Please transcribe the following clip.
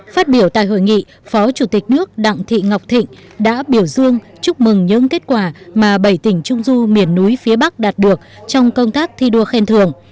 phát biểu tại hội nghị phó chủ tịch nước đặng thị ngọc thịnh đã biểu dương chúc mừng những kết quả mà bảy tỉnh trung du miền núi phía bắc đạt được trong công tác thi đua khen thường